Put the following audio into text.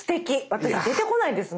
私出てこないです